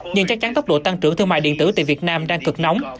nhưng chắc chắn tốc độ tăng trưởng thương mại điện tử tại việt nam đang cực nóng